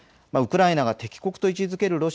ウクライナが敵国と位置づける